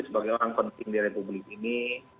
sebagai orang penting di republik ini